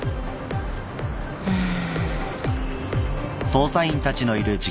うん。